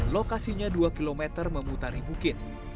lokasinya dua km memutari bukit